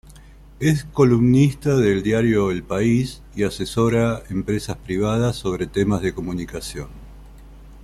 Es columnista del diario El País y asesora empresas privadas sobre temas de comunicación.